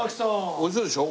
美味しそうでしょ？